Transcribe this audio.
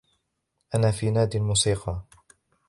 أنا في نادي الموسيقى.